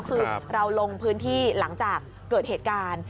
คือเราลงพื้นที่หลังจากเกิดเหตุการณ์